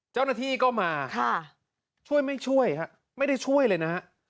เจ้าหน้าที่ก็มาช่วยไม่ช่วยฮะไม่ได้ช่วยเลยนะฮะ